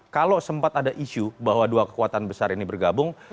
kalau sempat ada isu bahwa dua kekuatan besar ini bergabung